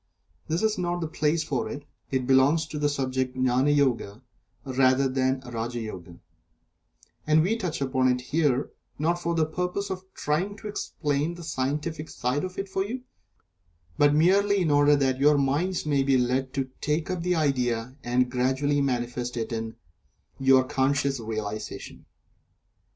This is not the place for it it belongs to the subject of Gnani Yoga rather than to Raja Yoga and we touch upon it here, not for the purpose of trying to explain the scientific side of it to you, but merely in order that your minds may be led to take up the idea and gradually manifest it in conscious realization.